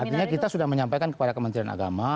artinya kita sudah menyampaikan kepada kementerian agama